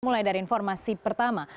mulai dari informasi pertama